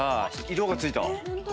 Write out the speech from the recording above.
色が付いた。